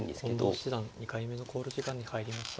近藤七段２回目の考慮時間に入りました。